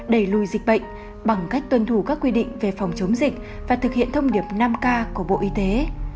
đẩy lùi dịch bệnh bằng cách tuân thủ các quy định về phòng chống dịch và thực hiện thông điệp năm k của bộ y tế